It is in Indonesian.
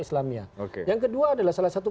islamia yang kedua adalah salah satu